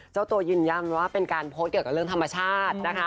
เจ้าตัวยืนย่ำว่าเป็นการพบเกี่ยวกับเรื่องธรรมชาติ